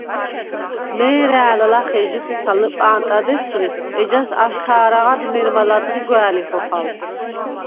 მე̄რა̄̈ლ ლახე ჟიხიქა ლჷპა̄ნტად ესღრიხ, ეჯას აშთა̄რაღად მე̄რმა ლა̈დღი გვა̄̈ლი ხოხალ.